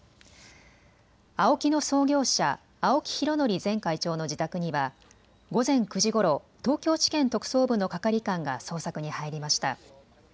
ＡＯＫＩの創業者、青木拡憲前会長の自宅には午前９時ごろ、東京地検特捜部の係官が捜索に入りました。